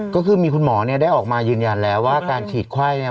ก็คือมีคุณหมอเนี่ยได้ออกมายืนยันแล้วว่าการฉีดไข้เนี่ย